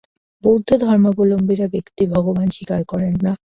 বৌদ্ধধর্মাবলম্বীরা ব্যক্তি-ভগবান স্বীকার করেন না।